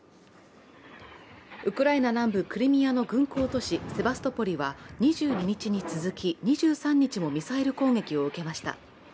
ウクライナ南部クリミアの軍港都市、セバストポリは２２日に続き、２３日もミサイル攻撃を受けました。